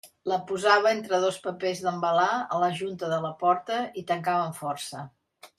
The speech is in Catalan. La posava entre dos papers d'embalar a la junta de la porta i tancava amb força.